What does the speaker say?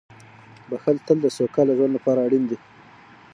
• بښل تل د سوکاله ژوند لپاره اړین دي.